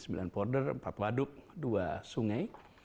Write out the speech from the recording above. sembilan porder empat waduk dua sungai